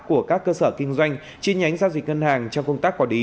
của các cơ sở kinh doanh chi nhánh giao dịch ngân hàng trong công tác quả đí